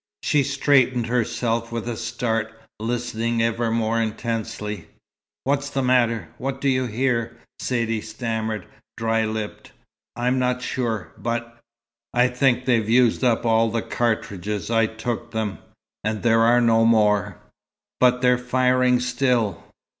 She straightened herself with a start, listening even more intensely. "What's the matter? What do you hear?" Saidee stammered, dry lipped. "I'm not sure. But I think they've used up all the cartridges I took them. And there are no more." "But they're firing still."